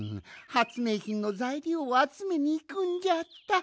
はつめいひんのざいりょうをあつめにいくんじゃった！